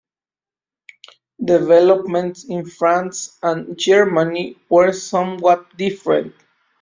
Developments in France and Germany were somewhat different.